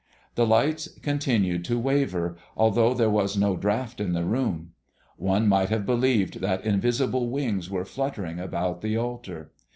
The lights continued to waver, although there was no draught in the room. One might have believed that invisible wings were fluttering about the altar.